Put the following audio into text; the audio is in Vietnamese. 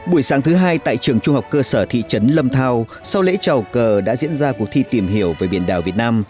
buổi sáng thứ hai tại trường trung học cơ sở thị trấn lâm thao sau lễ trào cờ đã diễn ra cuộc thi tìm hiểu về biển đảo việt nam